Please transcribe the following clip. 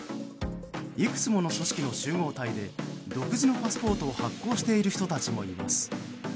いくつもの組織の集合体で独自のパスポートを発行している人たちもいます。